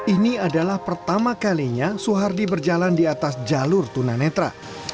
ini adalah pertama kalinya suhardi berjalan di atas jalur tunanetra